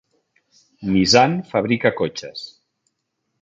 Nissan fabrica cotxes.